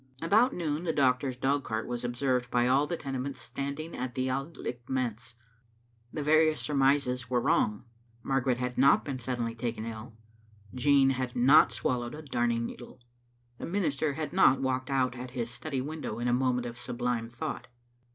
About noon the doctor's dog cart was observed by all the Tenements standing at the Auld Licht manse. The various surmises were wrong. Margaret had not been suddenly taken ill ; Jean had not swallowed a darning needle ; the minister had not walked out at his study window in a moment of sublime thought.